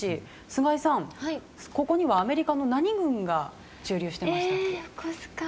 菅井さん、ここにはアメリカの何軍が駐留していますか？